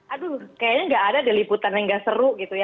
aduh kayaknya nggak ada di liputan yang gak seru gitu ya